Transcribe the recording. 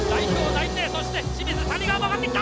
そして清水谷川も上がってきた！